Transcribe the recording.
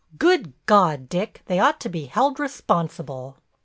Good God, Dick, they ought to be held responsible.